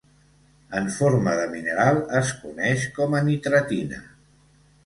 En forma de mineral es coneix com a Nitratina.